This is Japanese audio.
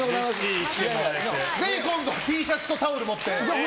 ぜひ今度Ｔシャツとタオル持って。